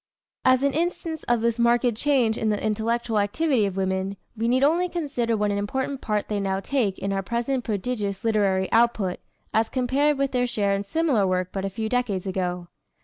As an instance of this marked change in the intellectual activity of women, we need only consider what an important part they now take in our present prodigious literary output, as compared with their share in similar work but a few decades ago.